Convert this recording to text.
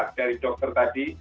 dari dokter tadi